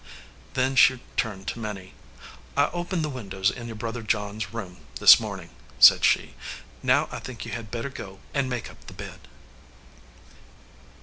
Then she turned to Minnie. "I opened the windows in your brother John s room this morning," said she. "Now I think you had better go and make up the bed."